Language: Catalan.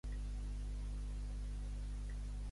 Hi ha qui diu que després es va casar amb una dona àrab a Fes.